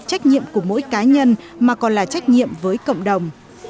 trách nhiệm của mỗi cá nhân mà còn là trách nhiệm với cộng đồng